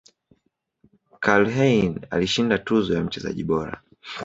Karlheine alishinda tuzo ya mchezaji bora